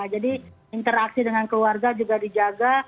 jadi interaksi dengan keluarga juga dijaga